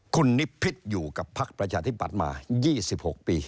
คุณนิพิษอยู่กับพักประชาธิบัติมา๒๖ปี